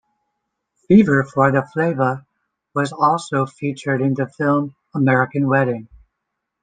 "Fever for the Flava" was also featured in the film, "American Wedding".